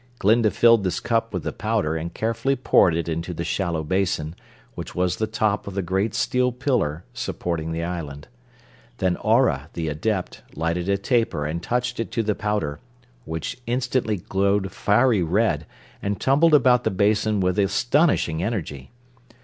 Glinda filled this cup with the powder and carefully poured it into the shallow basin, which was the top of the great steel pillar supporting the island. Then Aurah the Adept lighted a taper and touched it to the powder, which instantly glowed fiery red and tumbled about the basin with astonishing energy.